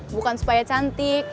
bukan supaya cantik